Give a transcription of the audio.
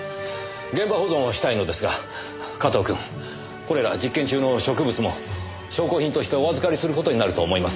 現場保存をしたいのですが加藤君これら実験中の植物も証拠品としてお預かりする事になると思います。